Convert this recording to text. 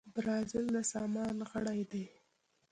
برازیل د سازمان غړی دی.